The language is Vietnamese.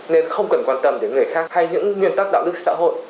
nên không cần quan tâm đến người khác hay những nguyên tắc đạo đức xã hội